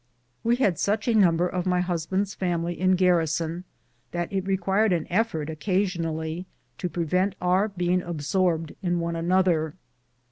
We had such a number of my husband's family in garrison that it required an effort occasionally to pre vent our being absorbed in one another.